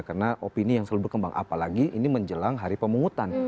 karena opini yang selalu berkembang apalagi ini menjelang hari pemungutan